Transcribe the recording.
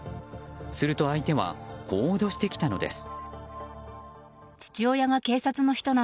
すると相手はこう脅してきたのです。